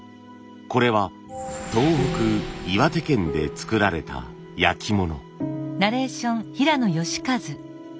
これは東北岩手県で作られた焼き物。